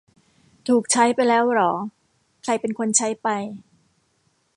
ถูกใช้ไปแล้วหรอ ใครเป็นคนใช้ไป